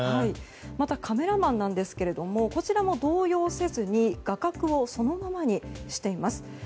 また、カメラマンなんですがこちらも動揺せずに画角をそのままにしています。